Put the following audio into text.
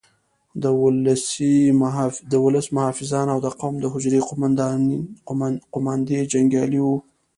د ولس محافظان او د قوم د حجرې قوماندې جنګیالي وو.